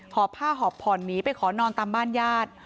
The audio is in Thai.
อบผ้าหอบผ่อนหนีไปขอนอนตามบ้านญาติ